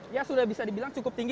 ya sudah bisa dibilang cukup tinggi